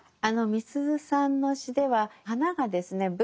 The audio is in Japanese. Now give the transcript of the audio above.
あのみすゞさんの詩では花がですね